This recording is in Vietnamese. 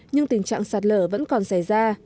nhưng tình trạng sạt lở vẫn còn xảy ra